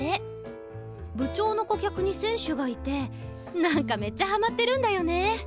部長の顧客に選手がいてなんかめっちゃハマってるんだよね。